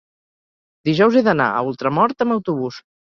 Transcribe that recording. dijous he d'anar a Ultramort amb autobús.